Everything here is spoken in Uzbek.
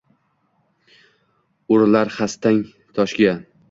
Urilar xarsang toshga.